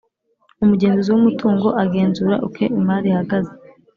Umugenzuzi w umutungo agenzura uko imari ihagaze